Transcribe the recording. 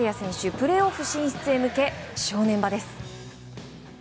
プレーオフ進出へ向け正念場です。